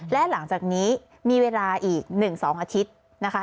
และหลังจากนี้มีเวลาอีก๑๒อาทิตย์นะคะ